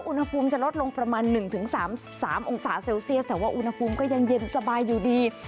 อุณหภูมิจะลดลงประมาณ๑๓๓องศาเซลเซียสแต่ว่าอุณหภูมิก็ยังเย็นสบายอยู่ดี